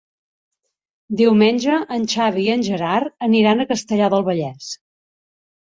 Diumenge en Xavi i en Gerard aniran a Castellar del Vallès.